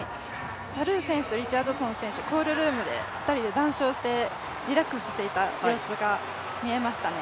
リチャードソン選手、コールルームで談笑して、リラックスしていた様子が見えましたね。